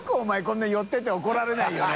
こんなに寄ってて怒られないよね